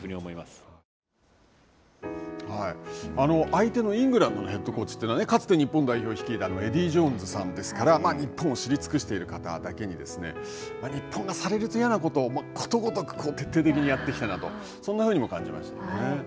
相手のイングランドのヘッドコーチというのはかつて日本代表を率いたエディー・ジョーンズさんですから日本を知り尽くしている方だけに、日本がされると嫌なことをことごとく徹底的にやってきたなと、そんなふうにも感じましたね。